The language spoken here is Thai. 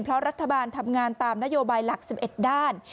เพราะรัฐบาลทำงานตามนโยบายหลัก๑๑ด้าน